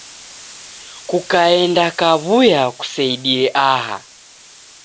Kukaenda kaw'uya kuseidie aha.